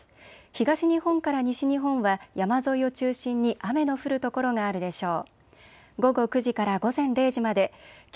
東日本から西日本は山沿いを中心に雨の降る所があるでしょう。